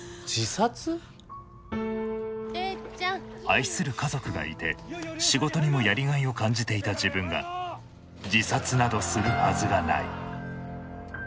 愛する家族がいて仕事にもやりがいを感じていた自分が自殺などするはずがない。